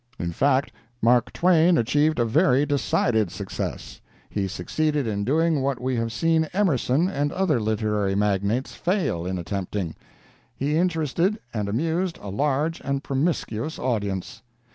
In fact, Mark Twain achieved a very decided success. He succeeded in doing what we have seen Emerson and other literary magnates fail in attempting—he interested and amused a large and promiscuous audience.